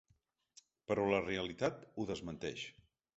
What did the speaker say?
Però la realitat ho desmenteix.